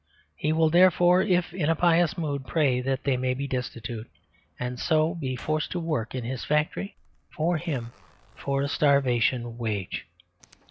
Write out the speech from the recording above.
He will therefore (if in a pious mood) pray that they may be destitute, and so be forced to work his factory for him for a starvation wage.